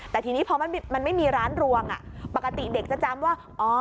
แต่ทีนี้พอมันไม่มีร้านรวงปกติเด็กจะจำว่า